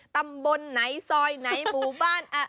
ตำบลไหนซอยไหนหมู่บ้าน